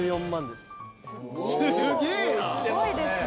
すごいですね。